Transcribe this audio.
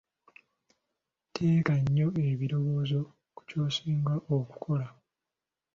Teeka nnyo ebirowoozo ku ky'osinga okukola.